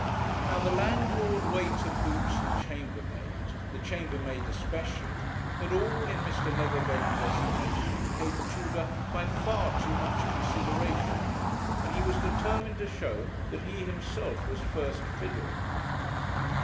Now the landlord, waiter, boots, and chambermaid, the chambermaid especially, had all, in Mr. Neverbend's estimation, paid Tudor by far too much consideration; and he was determined to show that he himself was first fiddle.